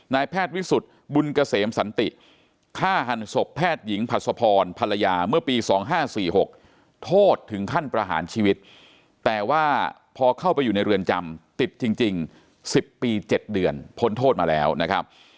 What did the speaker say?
แพทย์วิสุทธิ์บุญเกษมสันติฆ่าหันศพแพทย์หญิงผัสพรภรรยาเมื่อปี๒๕๔๖โทษถึงขั้นประหารชีวิตแต่ว่าพอเข้าไปอยู่ในเรือนจำติดจริง๑๐ปี๗เดือนพ้นโทษมาแล้วนะครับ